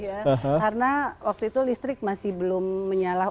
karena waktu itu listrik masih belum menyalah